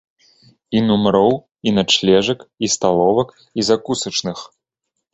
І нумароў, і начлежак, і сталовак, і закусачных!